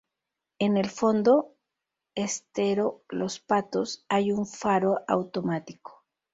En el fondo, estero Los Patos, hay un faro automático.